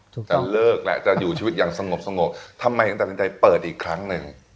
จะเลิกแหละจะอยู่ชีวิตอย่างสงบสงบทำไมถึงตัดสินใจเปิดอีกครั้งหนึ่ง